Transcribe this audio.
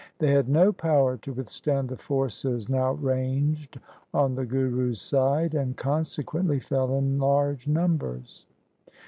They had no power to withstand the forces now ranged on the Guru's side, and consequently fell in large numbers.